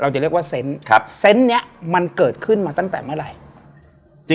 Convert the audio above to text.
จะเรียกว่าเซนต์เซนต์นี้มันเกิดขึ้นมาตั้งแต่เมื่อไหร่